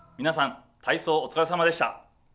皆さん、体操お疲れさまでした。